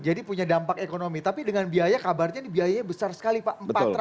jadi punya dampak ekonomi tapi dengan biaya kabarnya ini biayanya besar sekali pak